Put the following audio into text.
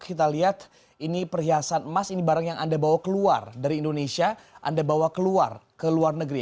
kita lihat ini perhiasan emas ini barang yang anda bawa keluar dari indonesia anda bawa keluar ke luar negeri